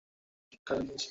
আপনাকে একটা কাজ দিয়েছি।